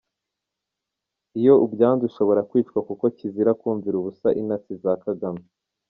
Iyo ubyanze ushobora kwicwa kuko kizira kumvira ubusa intasi za Kagame !